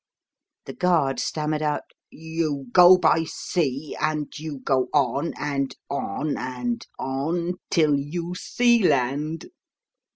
The guard stammered out, "You go by sea, and you go on, and on, and on till YOU SEE LAND."